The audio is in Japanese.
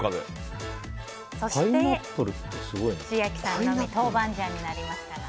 そして、千秋さんのみ豆板醤になりましたが。